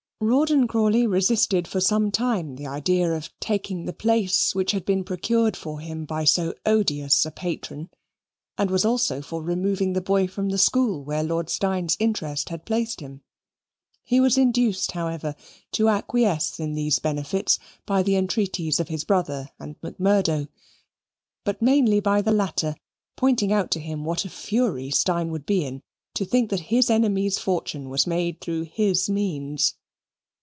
Rawdon Crawley resisted for some time the idea of taking the place which had been procured for him by so odious a patron, and was also for removing the boy from the school where Lord Steyne's interest had placed him. He was induced, however, to acquiesce in these benefits by the entreaties of his brother and Macmurdo, but mainly by the latter, pointing out to him what a fury Steyne would be in to think that his enemy's fortune was made through his means.